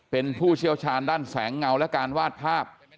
เป็นผู้เชี่ยวชาญด้านแสงเงาและการวาดภาพ